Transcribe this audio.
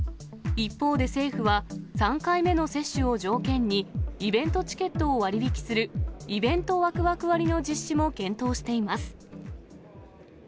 一方で、政府は３回目の接種を条件に、イベントチケットを割引するイベントワクワク割の実施も検討しています。